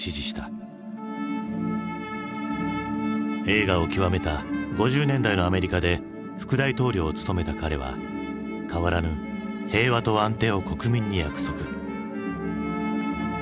栄華を極めた５０年代のアメリカで副大統領を務めた彼は変わらぬ平和と安定を国民に約束。